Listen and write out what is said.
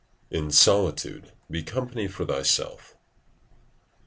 ["In solitude, be company for thyself."